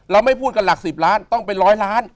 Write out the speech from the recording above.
แล้วไม่พูดกันหลัก๑๐ล้านต้องเป็น๑๐๐ล้าน